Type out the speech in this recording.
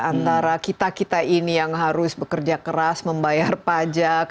antara kita kita ini yang harus bekerja keras membayar pajak